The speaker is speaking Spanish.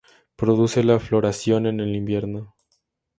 Produce la floración en el invierno.